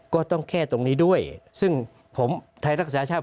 ก็ต้องแค่ตรงนี้ด้วยซึ่งผมไทยรักษาชาติ